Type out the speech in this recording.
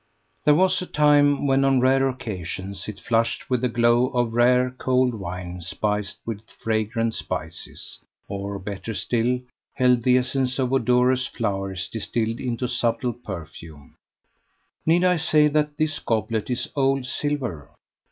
THERE was a time when, on rare occasions, it flushed with the glow of rare old wine spiced with fragrant spices; or, better still, held the essence of odorous flowers distilled into subtle perfume. Need I say that this goblet is "old silver?"